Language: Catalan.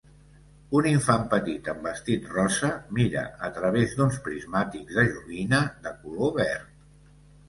Un infant petit amb vestit rosa mira a través d'uns prismàtics de joguina de color verd.